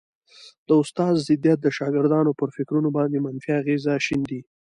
د استاد ضدیت د شاګردانو پر فکرونو باندي منفي اغېز شیندي